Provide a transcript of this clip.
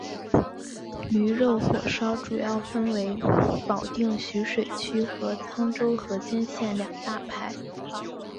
驴肉火烧主要分为保定徐水区和沧州河间县两大派。